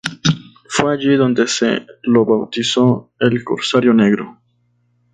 Fue allí donde se lo bautizó El Corsario Negro.